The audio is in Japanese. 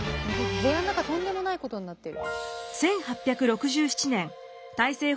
部屋の中とんでもないことになってる。